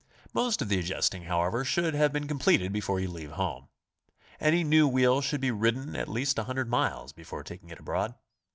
Most of the adjusting, however, should have been completed before you leave home. Any new wheel should be ridden at least a hundred miles before taking it abroad.